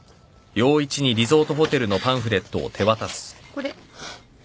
これ。